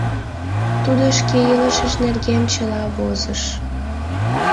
Тудо шке илышыж нерген чыла возыш.